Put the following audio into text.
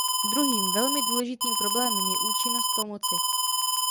Druhým, velmi důležitým problémem je účinnost pomoci.